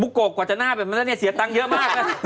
บุกกกกว่าจะหน้าไปมันเสียตังค์เยอะมาก